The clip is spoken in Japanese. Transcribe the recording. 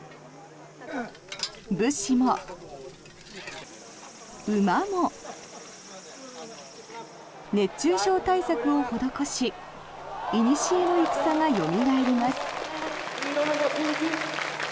武士も、馬も熱中症対策を施しいにしえの戦がよみがえります。